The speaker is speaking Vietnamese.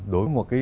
đối với một cái